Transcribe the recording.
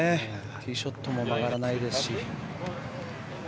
ティーショットも曲がらないですし。